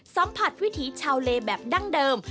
สัมผัสวิถีชาวเลแบบดั้งเดิม